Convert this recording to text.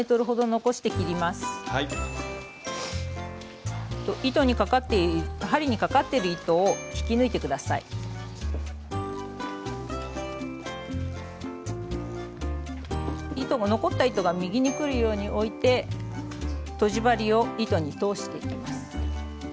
残った糸が右にくるように置いてとじ針を糸に通していきます。